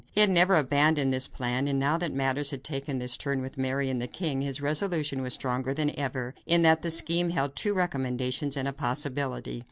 He had never abandoned this plan, and now that matters had taken this turn with Mary and the king, his resolution was stronger than ever, in that the scheme held two recommendations and a possibility.